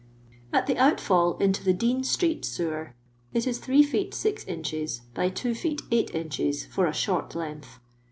"At the outfall into the Dssih street sewer, it is 3 feet 6 inches by 2 fest 8 inches for a short length.